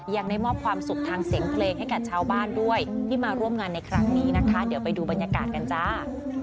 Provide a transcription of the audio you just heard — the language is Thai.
ยังได้มอบความสุขทางเสียงเพลงให้กับชาวบ้านด้วยที่มาร่วมงานในครั้งนี้นะคะเดี๋ยวไปดูบรรยากาศกันจ้า